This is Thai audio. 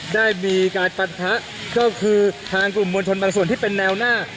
ได้มีการปะทะก็คือทางกลุ่มมวลชนบางส่วนที่เป็นแนวหน้า